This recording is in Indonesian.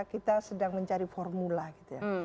kita sedang mencari formula gitu ya